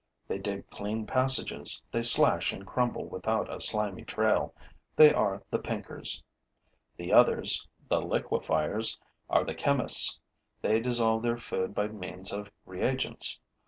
They dig clean passages, they slash and crumble without a slimy trail, they are the pinkers. The others, the liquefiers, are the chemists; they dissolve their food by means of reagents.